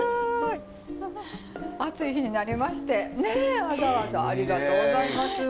暑い日になりましてわざわざありがとうございます。